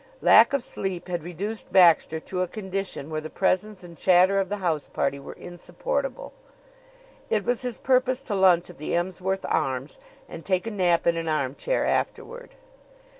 Lack of sleep had reduced Baxter to a condition where the presence and chatter of the house party were insupportable. It was his purpose to lunch at the Emsworth Arms and take a nap in an armchair afterward.